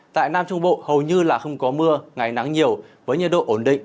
tại nam trung bộ hầu như là không có mưa ngày nắng nhiều với nhiệt độ ổn định